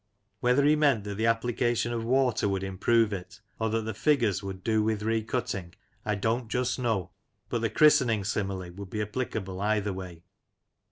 Whether he meant that the application of water would improve it, or that the figures would do with rebutting, I don't just know, but the christening simile would be applic able either way.